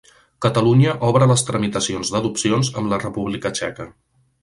Catalunya obre les tramitacions d'adopcions amb la República Txeca.